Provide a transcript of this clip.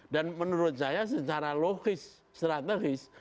dan menurut saya secara logis strategis